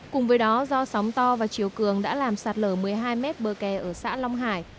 cùng với đó do sóng to và chiều cường đã làm sạt lở một mươi hai mét bờ kè ở xã long hải